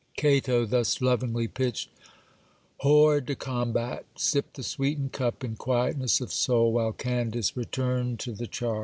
Cato, thus lovingly pitched hors de combat, sipped the sweetened cup in quietness of soul, while Candace returned to the charge.